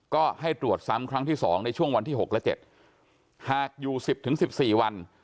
ก็ให้ตรวจซ้ำครั้งที่สองในช่วงวันที่หกและเจ็ดหากอยู่สิบถึงสิบสี่วัน